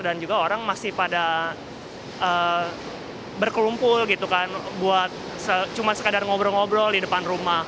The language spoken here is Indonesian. dan juga orang masih pada berkelumpul gitu kan buat cuma sekadar ngobrol ngobrol di depan rumah